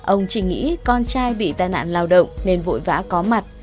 ông chỉ nghĩ con trai bị tai nạn lao động nên vội vã có mặt